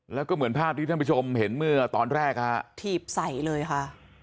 แล้วก็เหมือนภาพที่ท่านผู้ชมเห็นเมื่อตอนแรกฮะถีบใส่เลยค่ะ